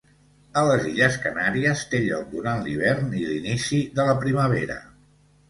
A les illes Canàries, té lloc durant l'hivern i l'inici de la primavera.